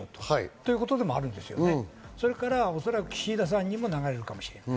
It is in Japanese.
ということはおそらく岸田さんに流れるかもしれない。